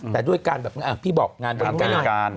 แต่ด้วยการแบบพี่บอกงานบริการ